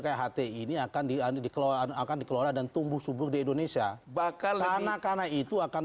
kt ini akan diany dikeluarkan akan dikeluarkan tumbuh subur di indonesia bakal karena itu akan